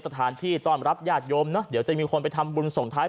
สถานที่ต้อนรับญาติโยมเนอะเดี๋ยวจะมีคนไปทำบุญส่งท้าย